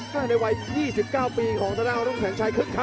ในวัยยี่สิบเก้าปีของ